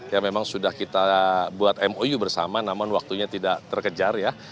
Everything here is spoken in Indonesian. yang memang sudah kita buat mou bersama namun waktunya tidak terkejar ya